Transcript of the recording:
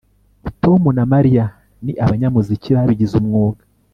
Tom na Mariya ni abanyamuziki babigize umwuga